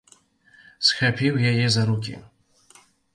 Схапіў яе за рукі.